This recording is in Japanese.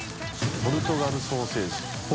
ポルチギーソーセージ。